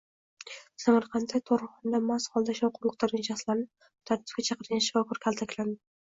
Samarqandda tug‘uruqxonada mast holda shovqin ko‘targan shaxslarni tartibga chaqirgan shifokor kaltaklandi